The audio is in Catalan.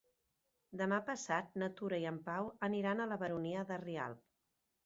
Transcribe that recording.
Demà passat na Tura i en Pau aniran a la Baronia de Rialb.